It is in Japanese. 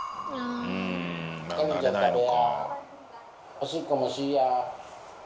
おしっこもしぃや。